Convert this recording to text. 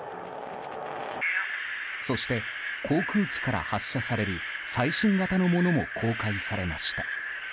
そして、航空機から発射される最新型のものも公開されました。